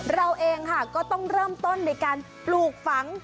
เราเองค่ะก็ต้องเริ่มต้นในการปลูกฝัง